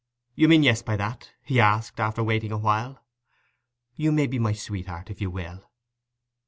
'You mean Yes by that?' he asked, after waiting a while. 'You may be my sweetheart, if you will.